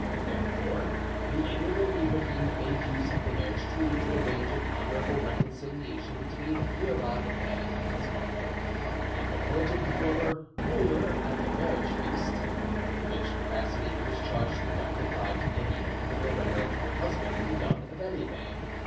Therefore the amiable Ibrahim made use of the marriage treaty to arrange an honourable reconciliation between Murad Bey and his uncle, and appointed the former "Ruler a the Marriage Feast," in which capacity he was charged to conduct the bride to Janina and deliver her to her husband, the young Veli Bey.